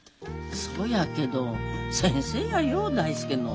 そやけど先生やよ大介の。